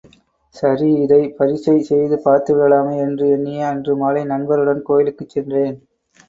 சரி இதை பரீக்ஷை செய்து பார்த்து விடலாமே என்று எண்ணியே அன்று மாலை நண்பருடன் கோயிலுக்குச் சென்றேன்.